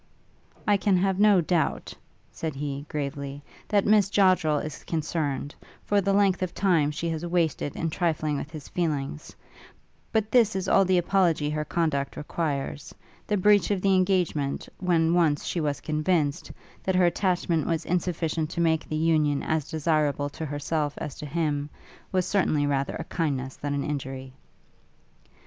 'I can have no doubt,' said he, gravely, 'that Miss Joddrel is concerned, for the length of time she has wasted in trifling with his feelings; but this is all the apology her conduct requires: the breach of the engagement, when once she was convinced, that her attachment was insufficient to make the union as desirable to herself as to him, was certainly rather a kindness than an injury.'